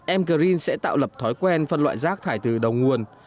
em green sẽ tạo lập thói quen phân loại rác thải từ đầu nguồn